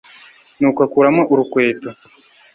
nuko akuramo urukweto